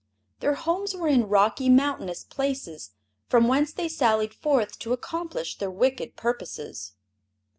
Their homes were in rocky, mountainous places, from whence they sallied forth to accomplish their wicked purposes.